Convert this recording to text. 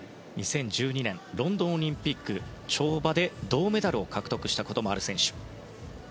２０１２年ロンドンオリンピックの跳馬で銅メダルを獲得した選手。